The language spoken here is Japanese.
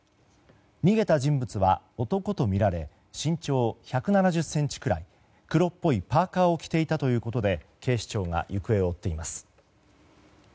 逃げた人物は男とみられ身長１７０ｃｍくらい黒っぽいパーカを着ていたということで警視庁が行方を追っています。